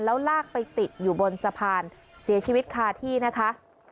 แล้วลากไปติดอยู่บนสะพานเสียชีวิตคาที่นะคะ